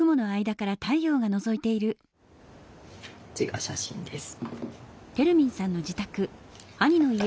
こっちが写真です。